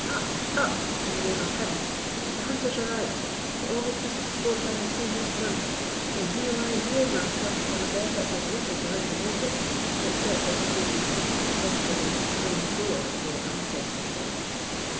"Up! up! in the name of Heaven! The hunters are out, the only piece of sport I have seen this month; and you lie here, Master, on a bed that has little to recommend it, except that it may be something softer than the stone floor of your ancestor's vault."